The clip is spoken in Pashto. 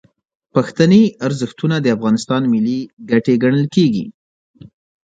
پښتني ارزښتونه د افغانستان ملي ګټې ګڼل کیږي.